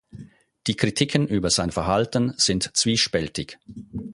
Die Kritiken über sein Verhalten sind zwiespältig.